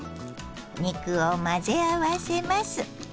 肉を混ぜ合わせます。